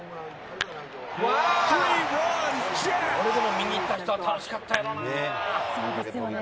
見に行った人は楽しかったやろうな。